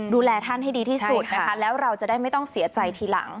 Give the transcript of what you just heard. ดูแลท่านให้ดีที่สุดนะคะแล้วเราจะได้ไม่ต้องเสียใจทีหลัง